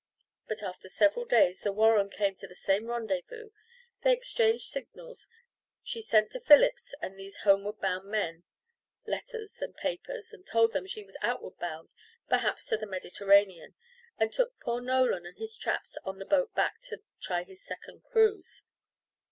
But after several days the Warren came to the same rendezvous; they exchanged signals; she sent to Phillips and these homeward bound men letters and papers, and told them she was outward bound, perhaps to the Mediterranean, and took poor Nolan and his traps on the boat back to try his second cruise.